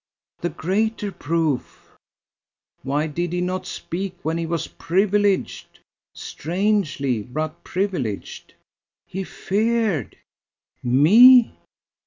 "The greater proof!" "Why did he not speak when he was privileged? strangely, but privileged." "He feared." "Me?"